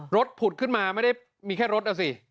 ผุดขึ้นมาไม่ได้มีแค่รถนะสิ